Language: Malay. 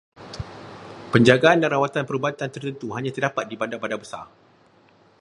Penjagaan dan rawatan perubatan tertentu hanya terdapat di bandar-bandar besar.